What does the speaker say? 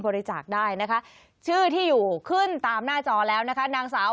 บริจาคได้นะคะชื่อที่อยู่ขึ้นตามหน้าจอแล้วนะคะนางสาว